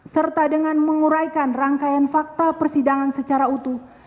serta dengan menguraikan rangkaian fakta persidangan secara utuh